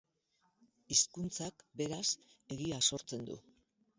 Hizkuntzak, beraz, egia sortzen du.